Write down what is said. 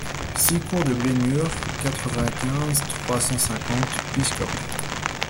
six cour de Blémur, quatre-vingt-quinze, trois cent cinquante, Piscop